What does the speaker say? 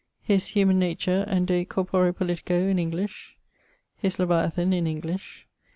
His Humane nature, and De corpore politico in English. His Leviathan in English.